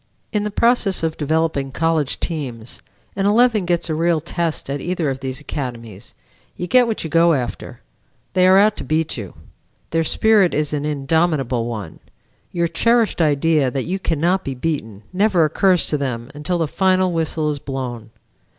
In the process of developing college teams, an eleven gets a real test at either of these academies; you get what you go after; they are out to beat you; their spirit is an indomitable one; your cherished idea that you cannot be beaten never occurs to them until the final whistle is blown.